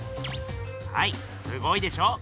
はいすごいでしょう？